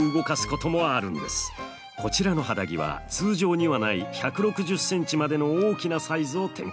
こちらの肌着は通常にはない１６０センチまでの大きなサイズを展開。